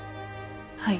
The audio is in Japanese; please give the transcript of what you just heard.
はい。